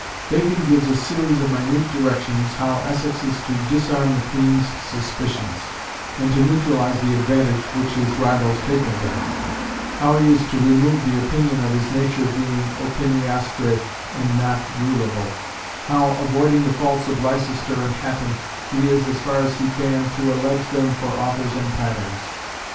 Bacon gives a series of minute directions how Essex is to disarm the Queen's suspicions, and to neutralize the advantage which his rivals take of them; how he is to remove "the opinion of his nature being opiniastre and not rulable;" how, avoiding the faults of Leicester and Hatton, he is, as far as he can, to "allege them for authors and patterns."